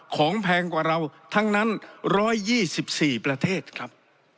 ของแพงกว่าเราทั้งนั้นร้อยยี่สิบสี่ประเทศครับ